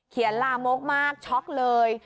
เขียนลาโมกมากช็อคเลย